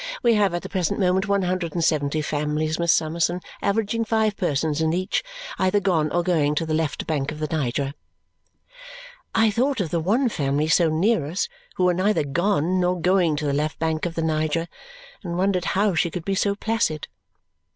We have, at the present moment, one hundred and seventy families, Miss Summerson, averaging five persons in each, either gone or going to the left bank of the Niger." I thought of the one family so near us who were neither gone nor going to the left bank of the Niger, and wondered how she could be so placid.